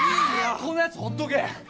こんなヤツほっとけ。